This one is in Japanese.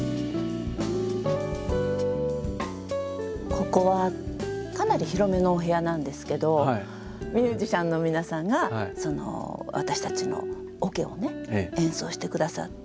ここはかなり広めのお部屋なんですけどミュージシャンの皆さんがその私たちのオケをね演奏してくださって。